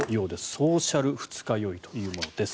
ソーシャル二日酔いというものです。